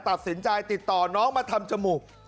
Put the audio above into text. ตัดสินใจติดต่อน้องมาทำจมูก